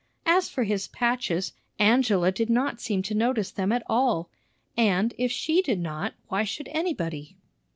As for his patches, Angela did not seem to notice them at all; and, if she did not, why should anybody?